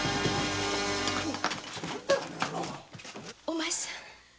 お前さん。